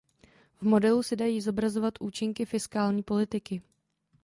V modelu se dají zobrazovat účinky fiskální politiky.